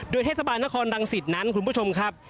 โดยเทศบาลนครรังสิตนั้นคุณผู้ชมครับ